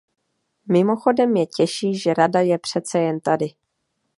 Mimochodem mě těší, že Rada je přece jen tady.